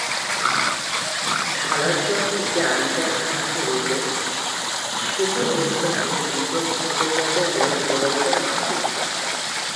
ঢালারচর থেকে আরিচা ঘাট রুটে সেতু নির্মিত হলে বিপ্লব ঘটে যাবে রেল যোগাযোগের মানচিত্রে।